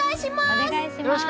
お願いします。